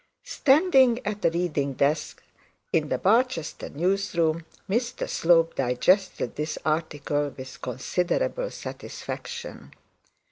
Standing at a reading desk in the Barchester news room, Mr Slope digested this article with considerable satisfaction.